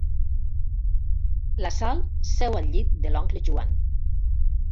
La Sal seu al llit de l'oncle Joan.